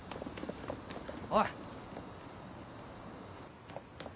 おい。